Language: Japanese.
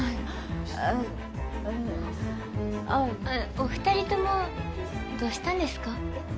おふたりともどうしたんですか？